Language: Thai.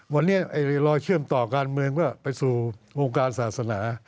วันนี้รอยเชื่อมต่อการเมืองเพื่อไปสู่วงการศาสนา